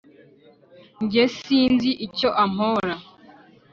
njye sinzi icyo ambora